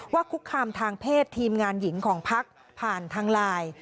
คุกคามทางเพศทีมงานหญิงของพักผ่านทางไลน์